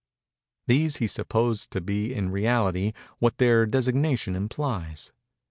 These he supposed to be, in reality, what their designation implies.